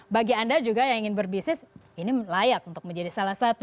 bagi anda juga yang ingin berbisnis ini layak untuk menjadi salah satu